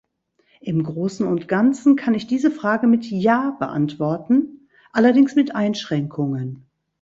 Im Großen und Ganzen kann ich diese Frage mit "Ja" beantworten, allerdings mit Einschränkungen.